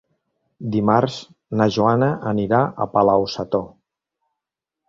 Dimarts na Joana anirà a Palau-sator.